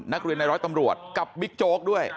นักเรียนในร้อยตำรวจกับบิ๊กโจ๊กด้วย